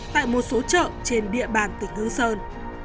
tại một số chợ trên địa bàn tỉnh hương sơn